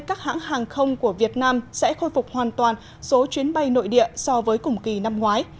các hãng hàng không của việt nam sẽ khôi phục hoàn toàn số chuyến bay nội địa so với cùng kỳ năm ngoái